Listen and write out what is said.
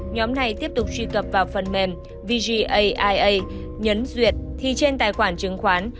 nhóm này tiếp tục truy cập vào phần mềm vaa nhấn duyệt thì trên tài khoản chứng khoán